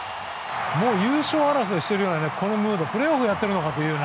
優勝争いしているようなムードプレーオフをやっているかのような。